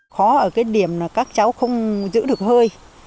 khó ở cái điểm là các cháu không giữ được hơi